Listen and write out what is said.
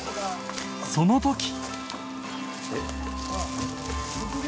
その時！